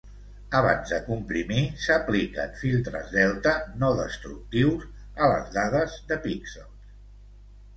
Abans de comprimir, s'apliquen filtres delta no destructius a les dades de píxels.